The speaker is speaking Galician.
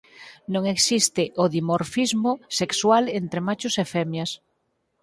Non existe o dimorfismo sexual entre machos e femias.